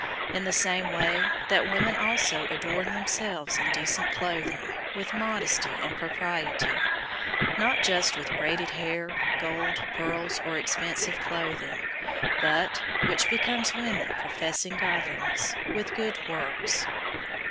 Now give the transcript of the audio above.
002:009 In the same way, that women also adorn themselves in decent clothing, with modesty and propriety; not just with braided hair, gold, pearls, or expensive clothing; 002:010 but (which becomes women professing godliness) with good works.